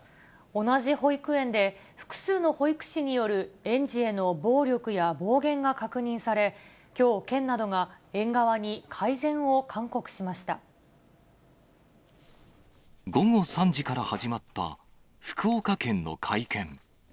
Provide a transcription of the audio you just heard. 同じ保育園で、複数の保育士による、園児への暴力や暴言が確認され、きょう、県などが、午後３時から始まった福岡県の会見。